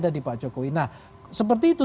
ada di pak jokowi nah seperti itu